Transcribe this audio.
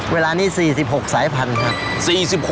เวลานี้๔๖สายพันธุ์ครับ